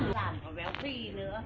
dạng có béo gì nữa